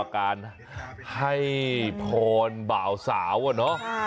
การให้พรบ่าวสาวอะเนาะ